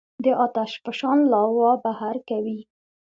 د آتش فشان لاوا بهر کوي.